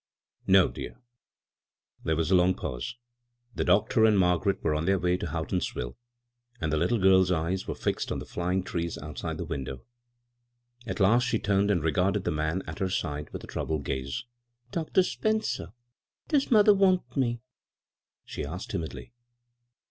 " No, dear." There was a long pause. The doctor and Margaret were ot* their way to Houghtons b, Google CROSS CURRENTS ville, and the little girl's eyes were fixed on the flying trees outside the window. At last she turned and regarded the man at her side with a troubled gaze. " Dr. Spencer, does mother — want — me?" she asked timidly.